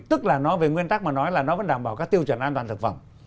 tức là nói về nguyên tắc mà nói là nó vẫn đảm bảo các tiêu chuẩn an toàn thực phẩm